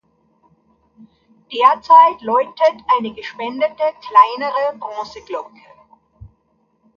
Derzeit läutet eine gespendete kleinere Bronzeglocke.